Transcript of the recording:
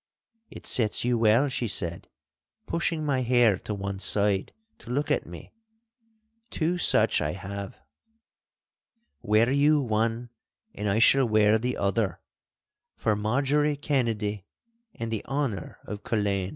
'It sets you well,' she said, pushing my hair to one side to look at me; 'two such I have. Wear you one and I shall wear the other—for Marjorie Kennedy and the honour of Culzean.